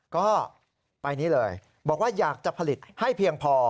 ก็ไปนี้เลยบอกว่าอยากจะผลิตให้เพียงพอ